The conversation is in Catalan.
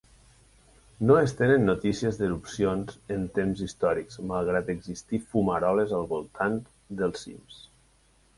No es tenen notícies d'erupcions en temps històrics, malgrat existir fumaroles als voltants del cim.